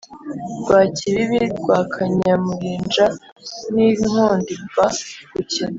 Rwakibibi rwa Kanyamurinja n’ Inkundirwa-gukina